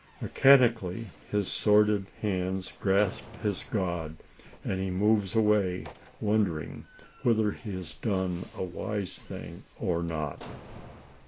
Mechanically his sordid hands grasp his god, and he moves away, wondering whether he has done a wise thing or not.